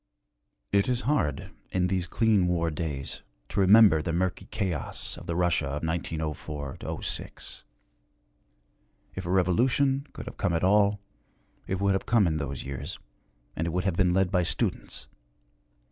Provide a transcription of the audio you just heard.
It is hard, in these clean war days, to remember the murky chaos of the Russia of 1904 06. If a revolution could have come at all, it would have come in those years, and it would have been led by students.